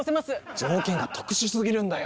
条件が特殊すぎるんだよ！